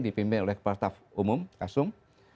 dipimpin oleh kepala staf umum kasum